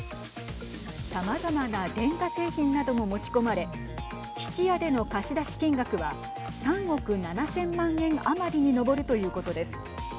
さまざまな電化製品なども持ち込まれ質屋での貸し出し金額は３億７０００万円余りに上るということです。